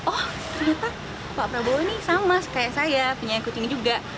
oh ternyata pak prabowo ini sama kayak saya penyayang kucing juga